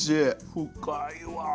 深いわ。